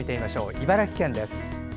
茨城県です。